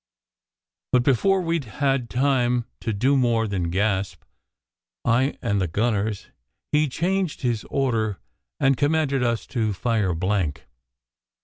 But before we d had time to do more than gasp I and the gunners he changed his order, and commanded us to fire blank.